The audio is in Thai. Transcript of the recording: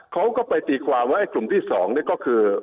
เขาก็ไปตีความว่ากลุ่มที่๒นี่ก็คือ